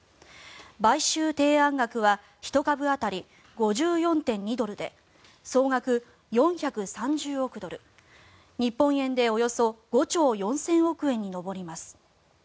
買収提案額は１株当たり５４．２ドルで総額４３０億ドル日本円でおよそ５兆４０００億円に上ります。